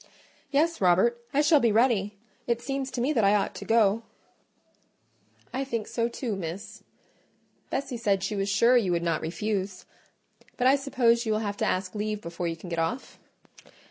"Yes, Robert, I shall be ready: it seems to me that I ought to go." "I think so too, Miss. Bessie said she was sure you would not refuse: but I suppose you will have to ask leave before you can get off?"